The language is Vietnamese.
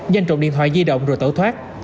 danh trộm điện thoại di động rồi tẩu thoát